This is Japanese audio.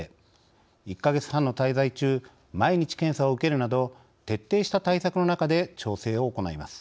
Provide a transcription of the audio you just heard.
１か月半の滞在中毎日検査を受けるなど徹底した対策の中で調整を行います。